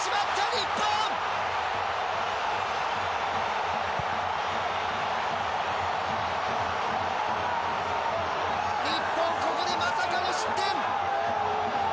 日本、ここでまさかの失点。